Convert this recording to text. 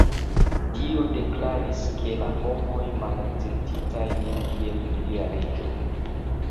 Dio deklaris ke la homoj malakceptis lin kiel ilia reĝo.